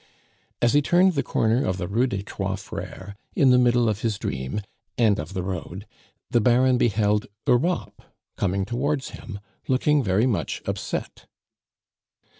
As he turned the corner of the Rue des Trois Freres, in the middle of his dream, and of the road, the Baron beheld Europe coming towards him, looking very much upset.